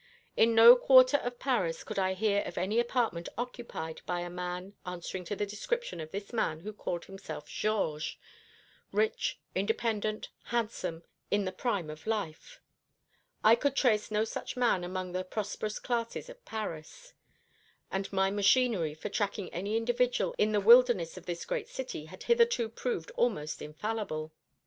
In no quarter of Paris could I hear of any apartment occupied by a man answering to the description of this man who called himself Georges rich, independent, handsome, in the prime of life. I could trace no such man among the prosperous classes of Paris, and my machinery for tracking any individual in the wilderness of this great city had hitherto proved almost infallible.